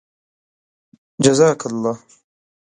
جزاك اللهُ